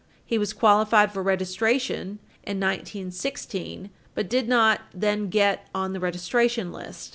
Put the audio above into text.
He was qualified for registration in 1916, but did not then get on the registration list.